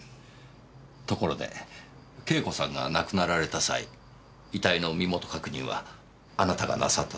ところで慶子さんが亡くなられた際遺体の身元確認はあなたがなさったと伺いました。